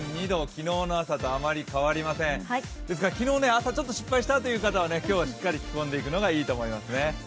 昨日の朝とあまり変わりませんから昨日朝、ちょっと失敗したという方は今日はしっかり着込んでいくのがいいと思います。